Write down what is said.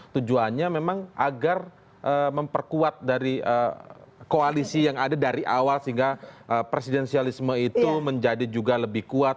tujuannya memang agar memperkuat dari koalisi yang ada dari awal sehingga presidensialisme itu menjadi juga lebih kuat